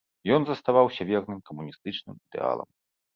Ён заставаўся верным камуністычным ідэалам.